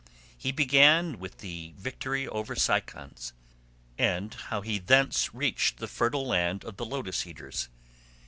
He began with his victory over the Cicons, and how he thence reached the fertile land of the Lotus eaters.